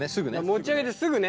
持ち上げてすぐね！